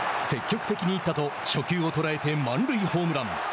積極的に行ったと初球を捉えて満塁ホームラン。